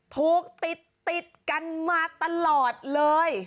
ถูกติดกันมาตลอดเลย